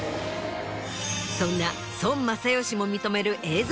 そんな孫正義も認める映像